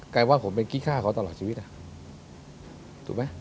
ลายว่าผมเป็นขี้ฆ่าเขาตลอดชีวิตถูกไหม